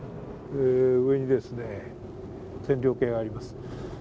上に線量計があります。